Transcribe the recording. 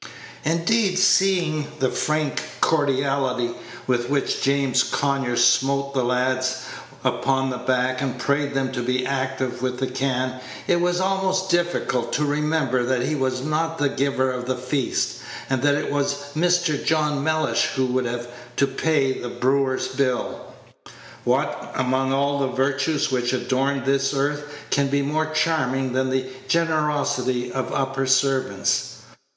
Indeed, seeing the frank cordiality with which James Conyers smote the lads upon the back, and prayed them to be active with the can, it was almost difficult to remember that he was not the giver of the feast, and that it was Mr. John Mellish who would have to pay the brewer's bill. What, Page 80 among all the virtues which adorn this earth, can be more charming than the generosity of upper servants!